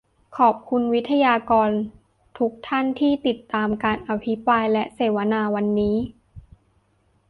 ขอบคุณวิทยากรและทุกท่านที่ติดตามการอภิปรายและเสวนาวันนี้